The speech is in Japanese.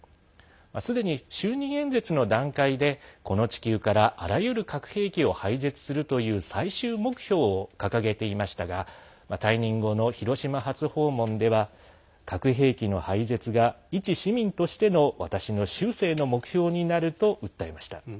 すでに就任演説の段階でこの地球からあらゆる核兵器を廃絶するという最終目標を掲げていましたが退任後の広島初訪問では核兵器の廃絶が、一市民としての私の終生の目標になると訴えました。